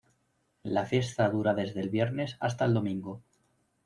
La fiesta dura desde el viernes hasta el domingo.